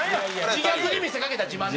自虐に見せかけた自慢です。